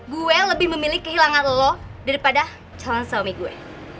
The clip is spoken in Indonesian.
gue lebih memilih kehilangan low daripada calon suami gue